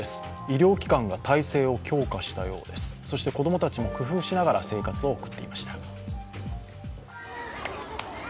医療機関が体制を強化したようです、そして子供たちも工夫しながら生活を送っていました。